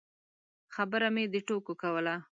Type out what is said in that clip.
خبره مې د ټوکو کوله.